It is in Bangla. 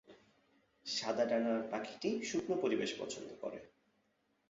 সাদা ডানার পাখিটি শুকনো পরিবেশ পছন্দ করে।